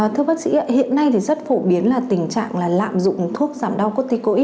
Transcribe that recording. thưa bác sĩ hiện nay rất phổ biến là tình trạng lạm dụng thuốc giảm đau corticoid